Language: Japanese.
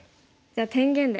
じゃあ天元で。